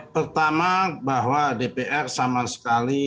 pertama bahwa dpr sama sekali